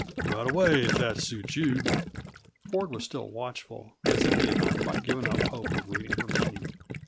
"Right away, if that suits you." Ford was still watchful, as if he had not quite given up hope of reading her meaning.